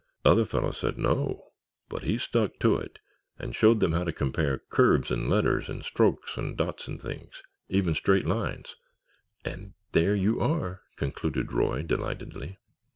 Other fellows said, no; but he stuck to it and showed them how to compare curves and letters, and strokes and dots and things—even straight lines—and there you are," concluded Roy, delightedly.